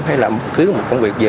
hay làm cứ một công việc gì